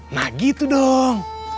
nah gitu dong